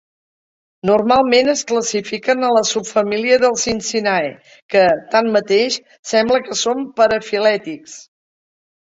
Normalment es classifiquen en la subfamília dels Scincinae, que, tan mateix, sembla que són parafilètics.